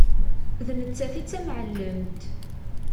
D nettat i d tamεellemt.